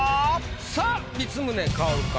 さぁ光宗薫か？